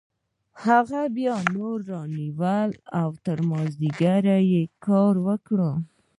هغه بیا نورې رانیولې او تر مازدیګره یې کار وکړ